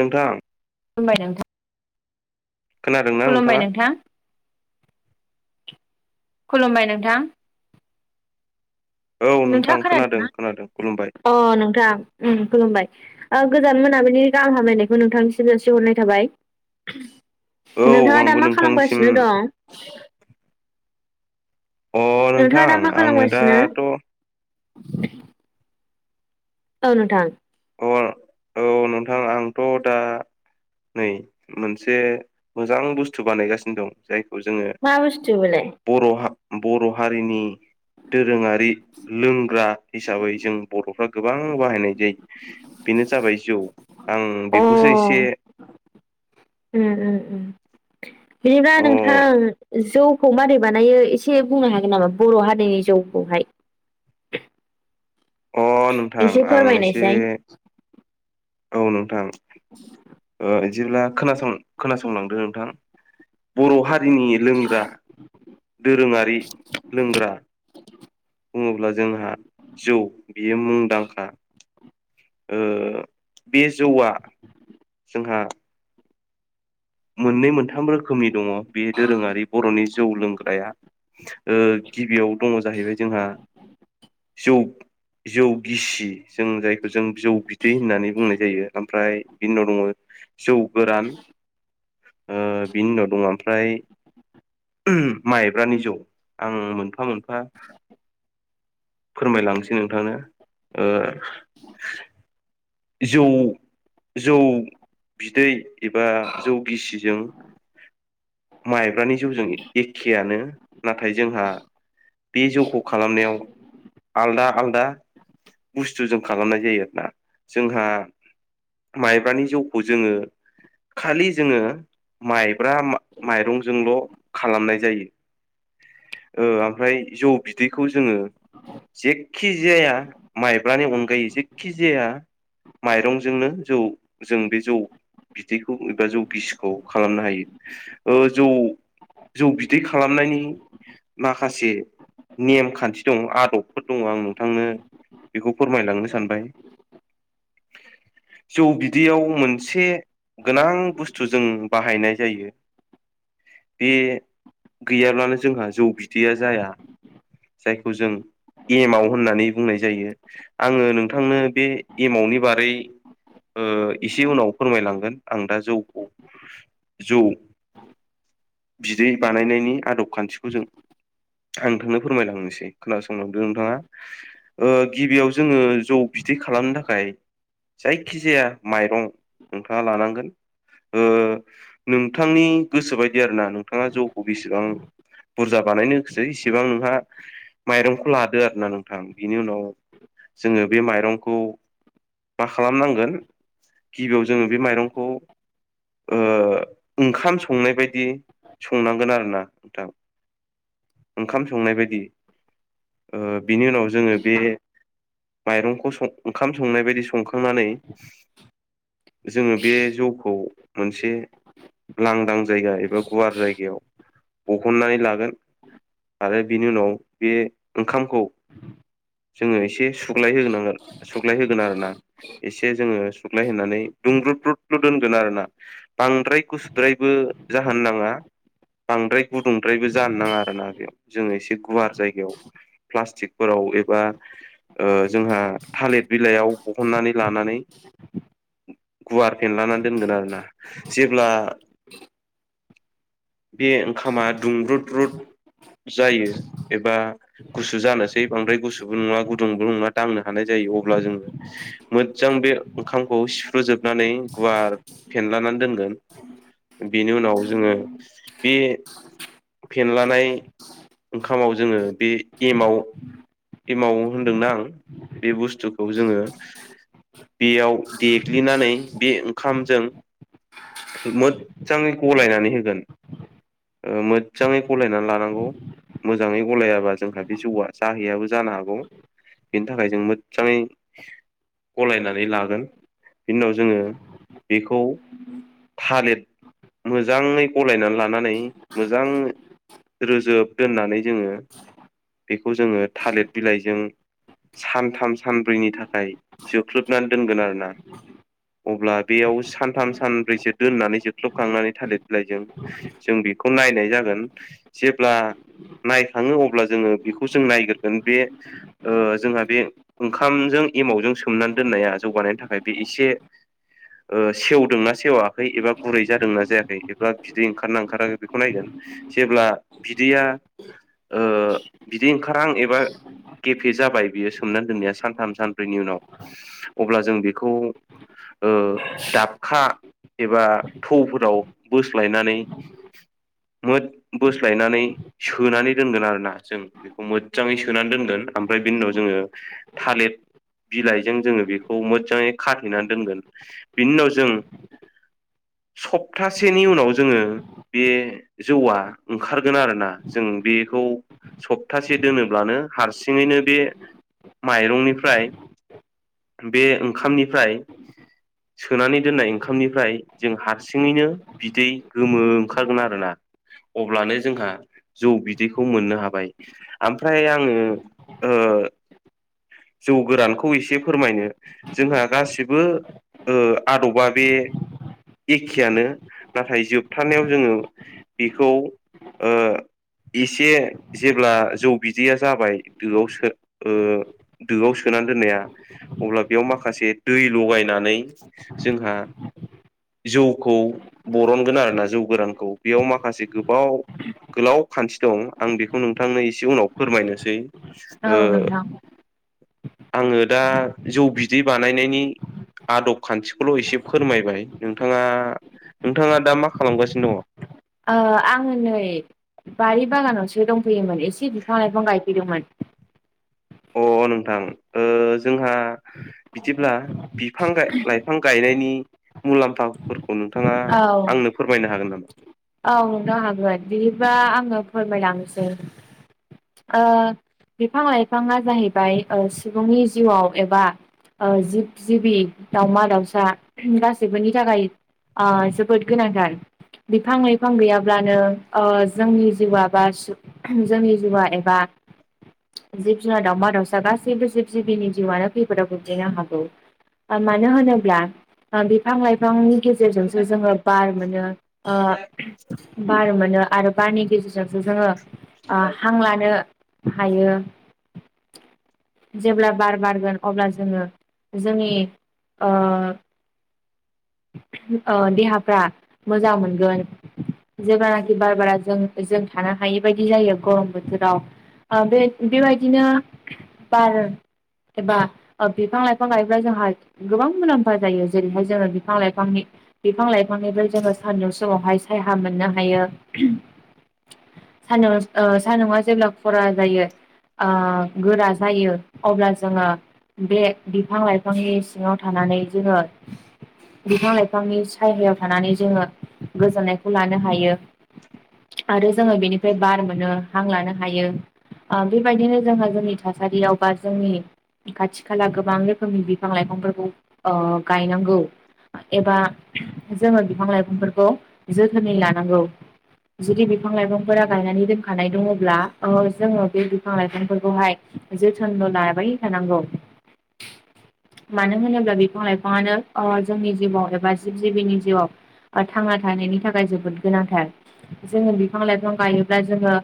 नोंथां खुलुमबाय नोंथां खोनादोंना खुलुमबाय नोंथांङा? नोंथां खुलुमबाय नोंथां औ नोंथांङा नोंथां खोनादों खोनादोंना? खोनादों खुलुमबाय अ नोंथां उम खुलुमबाय ओ गोजान मोनाबिलिनि गाहाम हामलायनायखौ नोंथांनिसिम जासिहरनाय थाबाय औ नोंथांङा दा आंबो मा नोंथांनिसिम खालामगासिनो दं? अ नोंथांङा नोंथां दा मा आङो खालामगासिनो? दाथ' औ नोंथां औ अ नोंथां आंथ दा नै मोनसे मोजां बुस्थु बानायगासिनो दं जाय खौ जोंङो मा बुस्थु बेलाय बर'हा बर' हारिनि दोरोंङारि लोंग्रा हिसाबै जों बर'फ्रा गोबां बाहायनाय जायो बेनो जाबाय जौ आं अ बेखौसो एसे [inaudible] बिनिबा अ नोंथां जौखौ मारै बानायो एसे बुंनो हागोन नामा बर' हारिनि जौखौहाय [unintelligible] अ नोंथां एसे आं एसे फोरमायनायसाय औ नोंथां [unintelligible] बिदिब्ला खोनासं खोनासंलांदो नोंथां बर हा हारिनि लोंग्रा दोरोङारि लोंग्रा बुङोब्ला जोंहा जौ बियो मुंदांखा बे जौआ जोंहा मोननै मोनथाम रोखोमनि दंङ बे दोरोङारि बरनि जौ लोंग्राया गिबियाव दंङ जाहैबाय जोंहा जौ जौ गिसि जों जायखौ जों जौ बिदै होननानै बुंनाय जायो ओमफ्राय बिनि उनाव दङ जौ गोरान बिनि उनाव दङ ओमफ्राय माइब्रानि जौ आं मोनफा मोनफा फोरमायलांसै नोंथांनो जौ जौ बिदै एबा जौ गिसिजों माइब्रानि जौजों एखेयानो नाथाय जोंहा बे जौखौ' खालामनायाव आलदा आलदा दा बुस्थु जों खालामनाय जायो आरोना जोंहा माइब्रानि जौखौ जोङो खालि जोङो माइ ब्रा माइरंजोंल' खालामनाय जायो। ओमफ्राय जौ बिदैखौ जोंङो जेखि जाया माइब्रानि अनगायै जेखि जाया माइरंजोंनो जौ जों बे जौ बिदैखौ एबा जौ बिसिखौ खालामनो हायो जौ जौ बिदै खालामनायनि माखासे नेमखान्थि दं आदबफोर दङ आं नोंथांनो बेखौ फोरमायलांनो सानबाय। [inaudible] जौ बिदैयाव मोनसे गोनां बुस्थु जों बाहायनाय जायो बे गैयाब्लानो जोंहा जौ बिदैया जाया। जायखौ जों एमव होननानै बुंनाय जायो आङो नोंथांनो बे एमाउनि बारै ओ एसे उनाव फोरमायलांगोन आं दा जौखौ जौ बिदै बानायनायनि आदब खान्थिखौ जों आं नोंथांनो फोरमायलांनोसै खोनासंलांदो नोंथाङा ओ गिबियाव जोङो जौ बिदिै खालामनो थाखाय जायखि जाया माइरं नोंथाङा लानांगोन नोंथांनि गोसोबायदि आरोना नोंथाङा जौखौ बेसेबां बुरजा बानायनोसो इसेबां नोंहा माइरंखौ लादो आरो ना नोंथां बिनि उनाव जोङो बे माइरंखौ मा खालामनांगोन गिबियाव जोङो बे माइरंखौ ओंखाम संनाय बायदि संनांगोन आरोना नोंथां । ओंखाम संनाय बायदि बिनि उनाव जोङो बे माइरंखौं ओंखाम संनाय बायदि संखांनानै जोङो बे जौखौ मोनसे लांदां जायगा एबा गुवार जायगायाव बहननानै लागोन आरो बिनि उनाव बे ओंखामखौ जोंङो एसे सुग्लाय होगोनांगोन सुग्लाय होगोन आरोना एसे जोङो सुग्लाय होनानै दुंब्रुद ब्रुदलु दोनगोन आरोना बांद्राय गुसुद्रायबो जाहोन नाङा बांद्राय गुदुंद्रायबो जानो नाङा आरो ना बेयाव जोङो एसे गुवार जायगायाव प्लास्टिकफोराव एबा जोंहा थालिर बिलाइयाव बहननानै लानानै गुवार फेनलानानै दोनगोन आरोना जेब्ला बे ओंखामा दुंब्रुद रुद जायो एबा गुसु जानोसै बांद्राय गुसुबो नङा गुदुंबो नङा दांनो हानाय ज मोजां बे ओंखामखौ सिफ्र्रुजोबनानै गुवार फेन बेनि उनाव जोंङो बे फेनलानाय ओंखामाव जोंङो बे एमाव एमाव होनदोंना आं बे बुस्थुखौ जोंङो बेयाव देग्लिनानै बे ओंखामजों मोजजाङै गलायनानै होगोन मोजाङै गलायनानै लानांगौ मोजाङै गलायाबा जोंहा बे जौआ जाहैयाबो जानो हागौ बेनि थाखाय जों मो जानि गलायनानै लागोन बिनि उनाव जोंङो बेखौ थालिर मोजांङै गलायनानै लानानै मोजां रोजोब दोननानै जोंङो बेखौ जोङो थालिर बिलाइजों स सानथाम सानब्रैनि थाखाय जोबख्लुबनानै दोनगोन आरोना अब्ला बेयाव सानथाम सानब्रैसो दोननानै जोख्लोबखांनानै थालिर बिलाइजों जों बेखौ नायनाय जागोन जेब्ला नायखाङो अब्ला जोंङो बेखौ जों नायग्रोगोन बे जोंहा बे ओंखामजों एमावजों सोमनानै दोननाया जौगानायनि थाखाय बे एसे सेवदोंना सेवाखै एबा गुरै जादोंना जायाखै एबा बिदै ओंखारना ओंखाराखै बेखौ नायगोन जेब्ला बिदैया बिदि ओंखारहां एबा गेफे जाबाय बियो हुमनानै दोननाया सानथाम सानब्रैनि उनाव अब्ला जों बेखौ ओ दाबखा एबा थौफोराव बोस्लायनानै बोस्लायनानै सोनानै दोनगोन आरो ना जों बेखौ मोजाङै सोनानै दोनगोन ओमफ्राय बिनि उनाव जोङो थालिर बिलाइजों जोङो बेखौ मोजांङै खाथैनानै दोनगोन बिनि उनाव जों [inaudible] सप्तासेनि उनाव जोंङो बे जौआ ओंखारगोन आरोना जों बे सप्तासे दोनोब्लानो हारसिङैनो बे माइरंनिफ्राय बे ओंखामनिफ्राय सोनानै दोननाय ओंखामनिफ्राय जों हारसिङैनो बिदै गोमो ओंखारगोन आरोना। अब्लानो जोंहा जौ बिदैखौ मोननो हाबाय ओमफ्राय आङो ओ जौ गोरानखौ एसे फोरमायनो जोंहा गासिबो ओ आदबा बे एखेयानो नाथाय जोबथानायाव जोङो बेखौ ओ एसे जेब्ला जौ बिदैया जाबाय दोआव सो ओ दोआव सोना दोननाया अब्ला बेयाव माखासे दै लगायनानै जोंहा जौखौ बरनगोन आरो ना जौ गोरानखौ बेयाव माखासे गोबाव गोलाव खान्थि दं आं बेखौ नोंथांनो एसे उनाव फोरमायनोसै ओ औ नोंथां आङो दा जौ बिदै बानायनायनि आदब खान्थिखौल' एसे फोरमायबाय नोंथाङा? नोंथाङा दा मा खालामगासिनो दङ? आङो नै बारि बागानावसो दंफैयोमोन एसे बिफां लाइफां गायफैदोंमोन । अ नोंथां ओ जोंहा बिदिब्ला बिफां लाइफां गायनायनि मुलाम्फा औ नोंथाङा औ आंनो फोरमायनो हागोन नामा? औ नोंथां हागोन बिदिबा आङो फोरमायलांनोसै बिफां लाइफाङा जाहैबाय ओ सुबुंनि जिउआव एबा जिब जिबि दाउमा दाउसा गासैबोनि थाखाय ओ जोबोद गोनांथार। बिफां लाइफां गैयाब्लानो जोंनि जिउआ बा जोंनि जिउआ एबा जिब जुनार दावमा दाउसा गासैबो जिब जिबिनि जिउआनो खैफोदाव गोग्लैनो हागौ। मानो होनोब्ला बिफां लाइफांनि गेजेर जोंसो बार मोनो ओ बार मोनो आरो बारनि गेजेरजोंसो जोङो हां लानो हायो। जेब्ला बार बारगोन अब्ला जोङो जोंनि देहाफ्रा मोजां मोनो जेब्लानाखि बार बारा जों जों थानो हायि बायदि जायो गरम बोथोराव ओ बे बेबायदिनो बार एबा बिफां लाइफां लायोब्ला जोंहा गोबां मुलाम्फा जायो जेरैहाय जोङो बिफां लाइफांनि बिफां लाइफांनिफ्राय जोङो सानदुं समावहाय सायहा मोननो हायो। सानदुंआ जेब्ला खरा जायो गोरा जायो अब्ला जोङो बे बिफां लाइफांनि सिङाव थानानै जोङो बिफां लाइफांनि सायहायाव थानानै जोङो गोजोननायखौ लानो हायो। आरो जोङो बेनिफ्राय बार मोनो हां लानो हायो। बेबायदिनो जोंहा जोंनि थासारियाव बा जोंनि खाथि खाला गोबां रोखोमनि बिफां लाइफांफोरखौ ओ गायनांगौ। एबा जोङो बिफां लाइफांफोरखौ जोथोनै लानांगौ जुदि बिफां लाइफांफोरा गायनानै दोनखानाय दङब्ला जोङो बे बिफां लाइफांफोरखौहाय जोथोनल' लाबाय थानांगौ। मानो होनोब्ला बिफां लाइफाङानो अ जोंनि जिउआव एबा जिब जिबिनि जिउआव थांना थानायनि थाखाय जोबो गोनांथार जोङो बिफां लाइफां गायोब्ला जोङो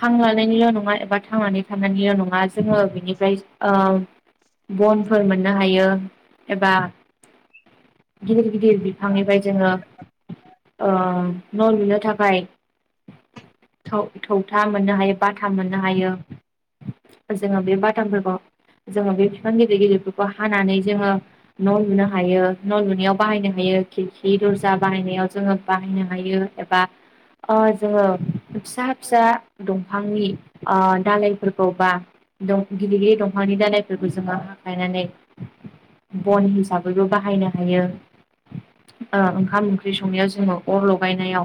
हां लानायनिल' थांनानै थ नङा जोङोनिफ्राय बन मोननो ह हायो एबा [unintelligible] गिदिर बिफांनिफ्राय जोङो न' लुनो थाखाय थौ थौथा मोननो हायो बाथा मोननो हायो। जोङो बे बाथामफोरखौ जोङो बे बिफां गिदिर गिदिरफोरखौ हानानै जोङो न' लुनो हायो न' लुनायाव बाहायनो हायो। ओ खिरखि दरजा बाहायनायाव जोङो बाहायनो हायो एबा जोङो फिसा फिसा दंफांनि दालइफोरखौ बा गिदिरगिरदिर दंफांनि दानायफोरखौ जोङो हखायनानै बन हिसाबैबो बाहायनो हायो ओ ओंखाम ओंख्रि स संनायाव जोङो अर लगायनायाव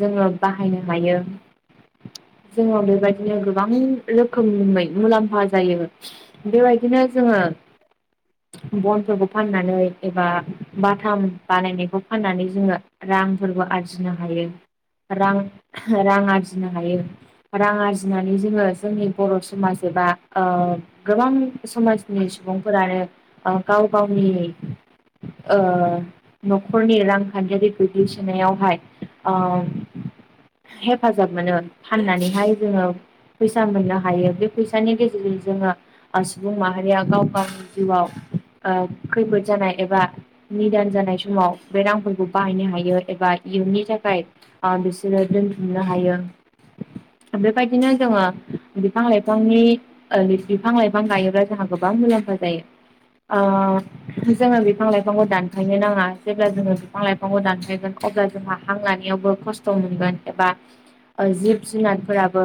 जोङो बाहायनो हायो। जोङो बेबायदिनो गोबां रोखोमै मुलाम्फा जायो बेबायदिनो जोङो। [inaudible] बनफोरखौ फाननानै एबा बाथाम बानायनायखौ फाननानै जोङो रांफोरबो आरजिनो हायो। रां रां आरजिनो हायो रां आरजिनानै जोङो जोंनि बर' समाज एबा ओ गोबां समाजनि सुबुंफोरानो गाव गावनि ओ न'खरनि रांखान्थियारि गोग्लैसोनायावहाय ओ हेफाजाब मोनो फाननानैहाय जोङो फैसा मोननो हायो बे फैसानि गेजेरजों जोङो सुबुं माहारिया गाव गावनि जिउआव ओ खैफोद जानाय एबा निदान जानाय समाव बे रांफोरखौ बाहायनो हायो एबा इयुननि थाखाय ओ बिसोरो दोनथुमनो हायो। बेबायदिनो जोङो बिफां लाइफांनि बिफां लाइफां गायोब्ला जोंहा गोबां मुला मुलाम्फा जायो ओ जोङो बिफां लाइफांखौ दानफायनो नाङा जेब्ला जोङो बिफां लाइफांबो दानफैगोन अब्ला जोंहा हां लानायावबो खस्थ' मोनगोन एबा जिब जुनारफोराबो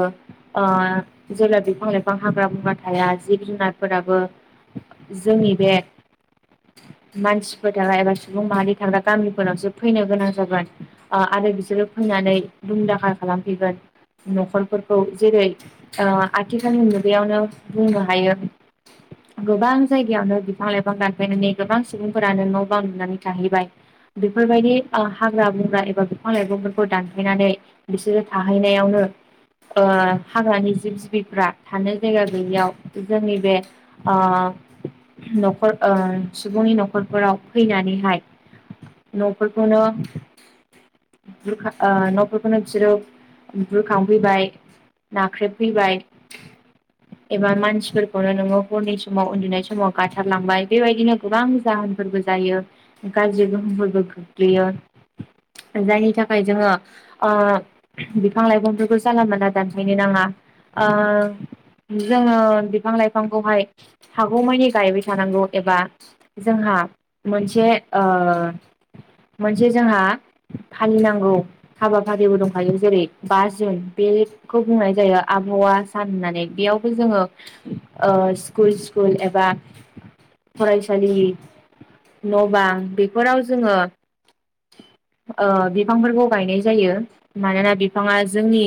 जेब्ला बिफां लाइफां हाग्रा बंग्रा थाया जिब जुनारफोराबो जोंनि बे मानसिफोर थाग्रा एबा सुबुं माहारि थाग्रा गामिफोरनावसो फैनो गोनां जागोन आरो बिसोरो फैनानै दुमदाखाल खालामफैगोन न'खरफोरखौ जेरै ओ आथिखालनि मुगायावनो बुंनो हायो। गोबां जायगायावनो बिफां लाइफां दानफायनानै गोबां सुबुंफोरानो न' बां लुनानै थाहैबाय बेफोरबायदि हाग्रा बंग्रा एबा बिफां लाइफांफोरखौ दानफायनानै बिसोरो थाहैनाय यावनो ओ हाग्रानि जिब जिबिफ्रा थानो जायगा गैयियाव जोंनि बे ओ न'खर ओ सुबुंनि न'खरफोराव फैनानैहाय न'फोरखौनो न'फोरखौनो बिसोरो बुरखांफैबाय नाख्रेबफैबाय एबा मानसिफोरखौनो नोङो हरनि समाव उन्दुनाय समाव गाथारलांबाय बेबायदिनो गोबां जाहोनफोरबो जायो गाज्रि गोहोमफोरबो गोग्लैयो जायनि थाखाय जोङो ओ बिफां लाइफांफोरखौ जानला मोनानला दानफायनो नाङा। ओं जोङो बिफां लाइफांखौहाय हागौमानि गायबाय थानांगौ एबा जोंहा मोनसे ओ मोनसे जोंहा फालिनांगौ हाबाफारिबो दंखायो जेरै बा जुन बे बे बुंनाय जायो आबहावा सान होननानै बेयावबो जोङो स्कुल स्कुल एबा फरायसालिनि न बां फोराव जोंङो ओ बिफांफोरखौ गायनाय जायो मानोना बिफाङा जोंनि